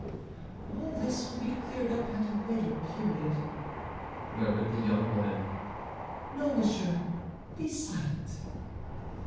"All this will be cleared up at a later period," murmured the young woman; "no, monsieur, be silent."